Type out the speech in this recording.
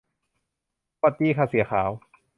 หวัดดีค่ะเสี่ยขาว